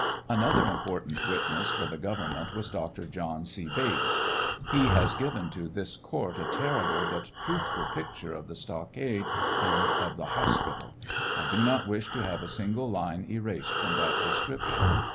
Another important witness for the government was Dr. John C. Bates. He has given to this court a terrible but truthful picture of the stockade and of the hospital. I do not wish to have a single line erased from that description.